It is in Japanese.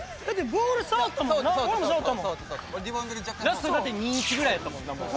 ラストだって２：１ぐらいやったもんなもう。